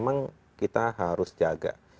emang kita harus jaga